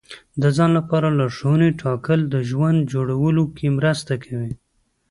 د ځان لپاره لارښوونې ټاکل د ژوند جوړولو کې مرسته کوي.